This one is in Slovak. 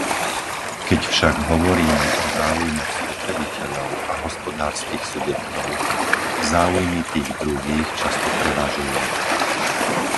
Keď však hovoríme o záujmoch spotrebiteľov a hospodárskych subjektov, záujmy tých druhých často prevažujú.